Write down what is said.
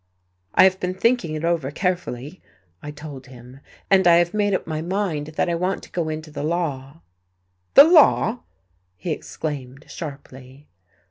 "I have been thinking it over carefully," I told him, "and I have made up my mind that I want to go into the law." "The law!" he exclaimed sharply.